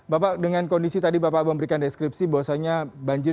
bapak dengan kondisi tadi bapak memberikan deskripsi bahwasannya banjir